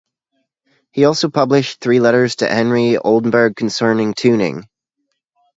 He also published three letters to Henry Oldenburg concerning tuning.